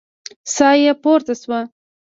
ساه يې پورته شوه.